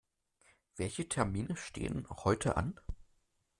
Welche Termine stehen heute an?